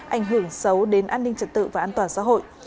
ảnh hưởng xấu đến an ninh trật tự và an toàn xã hội